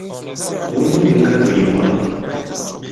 Wu ni ndī ŋgandò ì ɓɔ̌n.